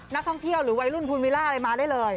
นักท่องเที่ยวหรือวัยรุ่นภูลวิล่าอะไรมาได้เลย